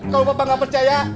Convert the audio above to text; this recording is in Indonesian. kalau papa gak percaya